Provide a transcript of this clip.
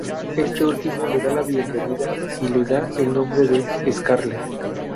Este último le da la bienvenida y le da el nombre de "Scarlet".